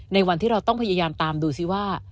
ในวันที่เราต้องพยายามตามดูซิว่า